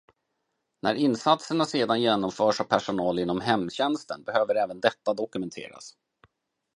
När insatserna sedan genomförs av personal inom hemtjänsten behöver även detta dokumenteras.